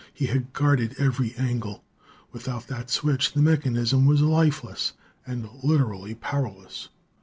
He had guarded every angle. Without that switch, the mechanism was lifeless and literally powerless.